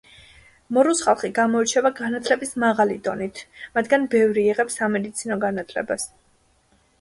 მორუს ხალხი გამოირჩევა განათლების მაღალი დონით, მათგან ბევრი იღებს სამედიცინო განათლებას.